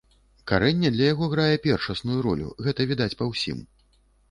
Карэнне для яго грае першасную ролю, гэта відаць па ўсім.